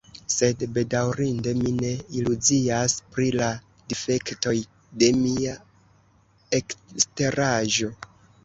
Sed bedaŭrinde mi ne iluzias pri la difektoj de mia eksteraĵo.